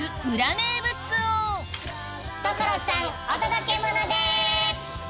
名物を所さんお届けモノです！